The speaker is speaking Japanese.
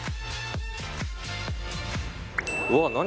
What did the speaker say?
うわっ何？